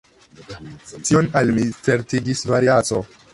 Tion al mi certigis Variaso.